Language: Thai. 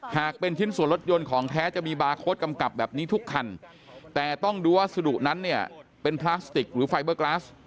หากเป็นชิ้นส่วนรถยนต์ของแท้จะมีบาร์โค้ดกำกับแบบนี้ทุกคันแต่ต้องดูวัสดุนั้นเนี่ยเป็นพลาสติกหรือไฟเบอร์กลาส